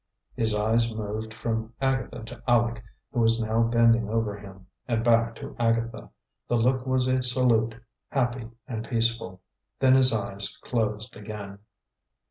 His eyes moved from Agatha to Aleck, who was now bending over him, and back to Agatha. The look was a salute, happy and peaceful. Then his eyes closed again.